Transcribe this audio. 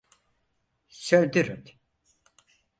Söndürün!